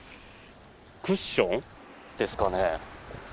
クッションですかね。